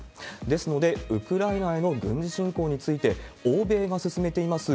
ですので、ウクライナへの軍事侵攻について、欧米が進めています